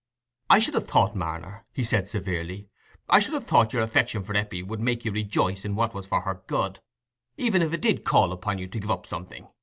"I should have thought, Marner," he said, severely—"I should have thought your affection for Eppie would make you rejoice in what was for her good, even if it did call upon you to give up something.